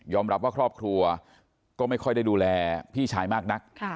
รับว่าครอบครัวก็ไม่ค่อยได้ดูแลพี่ชายมากนัก